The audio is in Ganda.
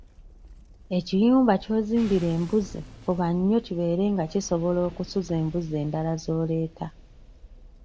Ekiyumba ky'ozimbira embuzi fuba nnyo kibeere nga kisobola okusuza embuzi endala z'oleeta.